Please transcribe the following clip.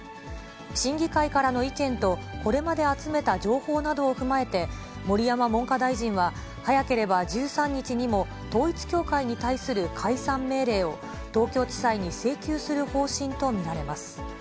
審議会からの意見とこれまで集めた情報などを踏まえて、盛山文科大臣は、早ければ１３日にも、統一教会に対する解散命令を、東京地裁に請求する方針と見られます。